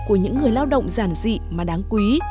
của những người lao động giản dị mà đáng quý